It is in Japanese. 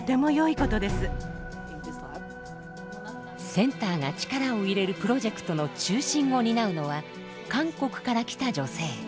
センターが力を入れるプロジェクトの中心を担うのは韓国から来た女性。